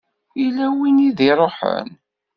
Yella win i d-iṛuḥen.